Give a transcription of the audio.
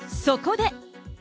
そこで。